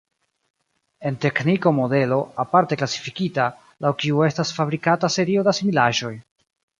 En tekniko modelo, aparte klasifikita, laŭ kiu estas fabrikata serio da similaĵoj.